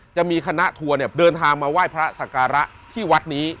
จะมีคณะทัวร์เนี่ยเดินทางมาไหว้พระสการะที่วัดนี้